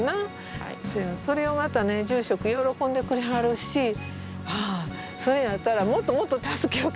それをまたね住職喜んでくれはるしあそれやったらもっともっと助けようかなって。